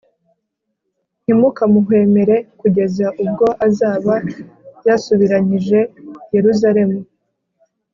ntimukamuhwemere kugeza ubwo azaba yasubiranyije yeruzalemu,